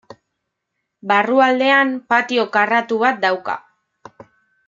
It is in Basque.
Barrualdean, patio karratu bat dauka.